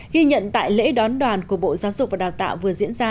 ghi nhận tại lễ đón đoàn của bộ giáo dục và đào tạo vừa diễn ra